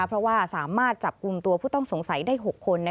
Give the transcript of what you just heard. เพราะว่าสามารถจับกลุ่มตัวผู้ต้องสงสัยได้๖คน